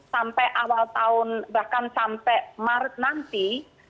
sampai awal tahun bahkan sampai maret nanti